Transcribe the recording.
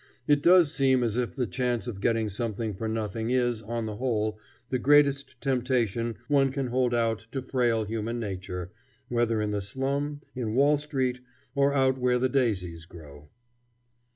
It does seem as if the chance of getting something for nothing is, on the whole, the greatest temptation one can hold out to frail human nature, whether in the slum, in Wall Street, or out where the daisies grow.